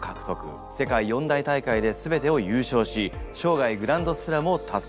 世界４大大会ですべてを優勝し生涯グランドスラムを達成。